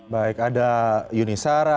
baik ada yunisara